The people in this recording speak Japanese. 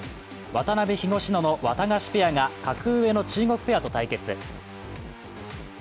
渡辺・東野のワタガシペアが格上の中国ペアと対決。